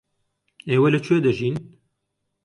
ئێوە لەکوێ دەژین؟